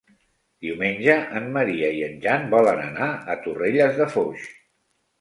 Diumenge en Maria i en Jan volen anar a Torrelles de Foix.